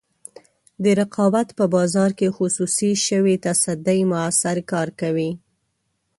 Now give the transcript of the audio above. د رقابت په بازار کې خصوصي شوې تصدۍ موثر کار کوي.